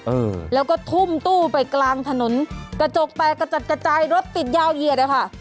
เออแล้วก็ทุ่มตู้ไปกลางถนนกระจกแตกกระจัดกระจายรถติดยาวเหยียดอะค่ะ